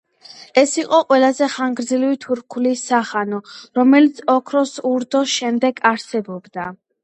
ეს იყო ყველაზე ხანგრძლივი თურქული სახანო, რომელიც ოქროს ურდოს შემდეგ არსებობდა.